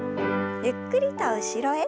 ゆっくりと後ろへ。